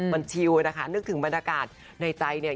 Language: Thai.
มันชิลนะคะนึกถึงบรรยากาศในใจเนี่ย